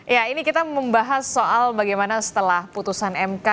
ya ini kita membahas soal bagaimana setelah putusan mk